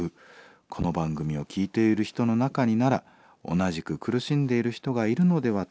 この番組を聴いている人の中になら同じく苦しんでいる人がいるのではと思い投稿しました」。